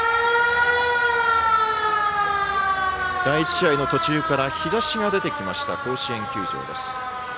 第１試合の途中から日ざしが出てきた甲子園球場です。